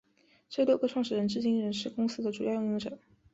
这六个创始人至今仍是公司的主要拥有者。